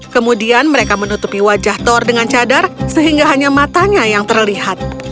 kemudian mereka menutupi wajah thor dengan cadar sehingga hanya matanya yang terlihat